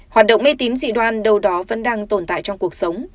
hoạt động mê tín dị đoan đâu đó vẫn đang tồn tại trong cuộc sống